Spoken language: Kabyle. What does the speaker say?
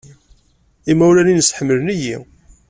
Imawlan-nnes ḥemmlen-iyi.